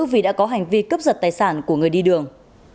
vì đã có hành vi cướp giật tài sản của người đi đường